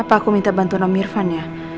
apa aku minta bantuan om irfan ya